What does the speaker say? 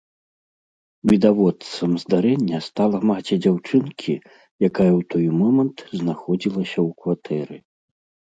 Відавочцам здарэння стала маці дзяўчынкі, якая ў той момант знаходзілася ў кватэры.